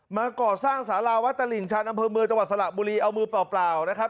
มาก่อสร้างสาราวัดตลิ่งชันอำเภอเมืองจังหวัดสระบุรีเอามือเปล่านะครับ